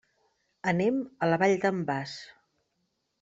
Anem a la Vall d'en Bas.